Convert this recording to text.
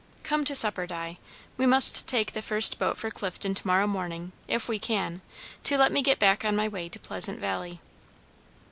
Come to supper, Di; we must take the first boat for Clifton to morrow morning, if we can, to let me get back on my way to Pleasant Valley."